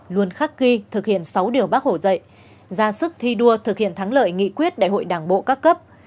luôn khắc ghi thực hiện sáu điều bác hồ dạy ra sức thi đua thực hiện thắng lợi nghị quyết đại hội đảng bộ các cấp